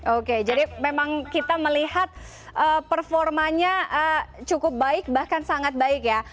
oke jadi memang kita melihat performanya cukup baik bahkan sangat baik ya